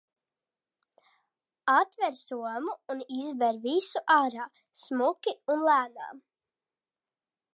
Atver somu un izber visu ārā, smuki un lēnām.